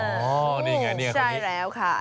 อ๋อนี่ไงนี่คนนี้ใช่แล้วค่ะ